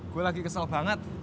gue lagi kesal banget